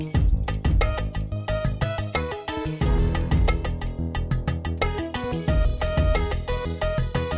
satu davplane berbasis nella pijakino dua ratus tiga puluh delapan